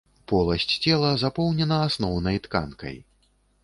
Поласць цела запоўнена асноўнай тканкай.